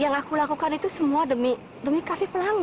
yang aku lakukan itu semua demi demi kafe pelangi